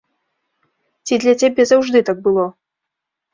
Ці для цябе заўжды так было?